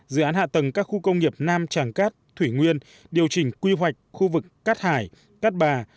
dự án hạ tầng các khu công nghiệp nam tràng cát thủy nguyên điều chỉnh quy hoạch khu vực cát hải cát bà